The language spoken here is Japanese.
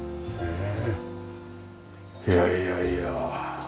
いやいやいや。